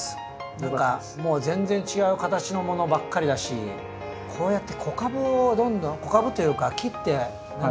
何かもう全然違う形のものばっかりだしこうやって子株をどんどん子株っていうか切って何て言うんだっけ？